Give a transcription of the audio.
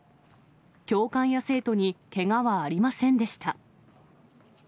教官や生徒にけがはありませんでした。